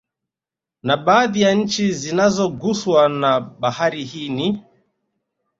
Na baadhi ya nchi zinazoguswa na Bahari hii ni